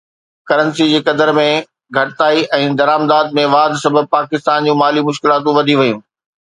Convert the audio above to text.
currency جي قدر ۾ گهٽتائي ۽ درآمدات ۾ واڌ سبب پاڪستان جون مالي مشڪلاتون وڌي ويون